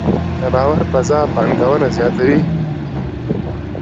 د باور فضا پانګونه زیاتوي؟